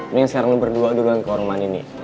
pernah gak sekarang lu berdua udah gang ke orang mani nih